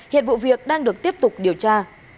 hiện vụ việc đang được tiếp tục điều tra